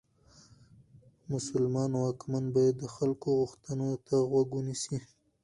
مسلمان واکمن باید د خلکو غوښتنو ته غوږ ونیسي.